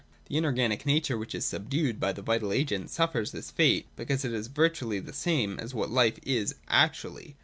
The inorganic nature which is subdued by the vital agent suffers this fate, because it is virtually the same as what life is actually.